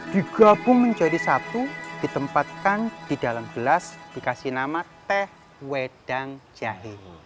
digabung menjadi satu ditempatkan di dalam gelas dikasih nama teh wedang jahe